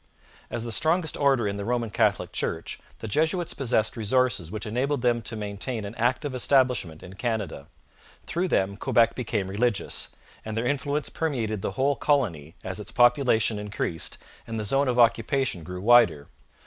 As the strongest order in the Roman Catholic Church, the Jesuits possessed resources which enabled them to maintain an active establishment in Canada. Through them Quebec became religious, and their influence permeated the whole colony as its population increased and the zone of occupation grew wider.